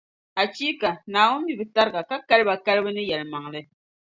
Achiika! Naawuni mi bɛ tariga, ka kali ba kalibu ni yɛlimaŋli.